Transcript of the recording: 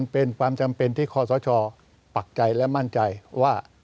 เป็นความจำเป็นที่คอสชปักใจและมั่นใจว่า